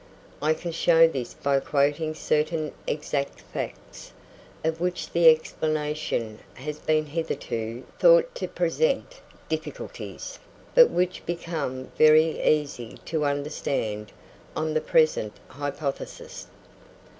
I can show this by quoting certain exact facts, of which the explanation has been hitherto thought to present difficulties, but which become very easy to understand on the present hypothesis.